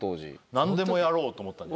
何でもやろうと思ったんじゃ。